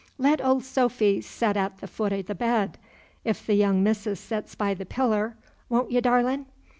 "Let Ol' Sophy set at 'th' foot o' th' bed, if th' young missis sets by th' piller, won' y', darlin'?